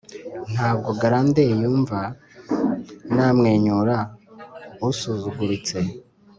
ntabwo grandeur yumva numwenyura usuzuguritse